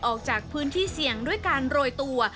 ออกจากพื้นที่เสี่ยงด้วยการโรยตัว